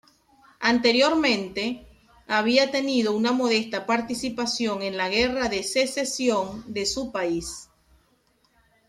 Anteriormente, había tenido una modesta participación en la Guerra de Secesión de su país.